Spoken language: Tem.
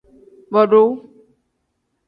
Bodu.